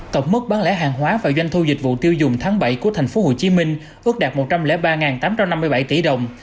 tổng mức bán lẻ hàng hóa và doanh thu dịch vụ tiêu dùng tháng bảy của tp hcm ước đạt một trăm linh ba tám trăm năm mươi bảy tỷ đồng